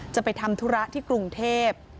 จะไปทำธุระที่กรุงเทพ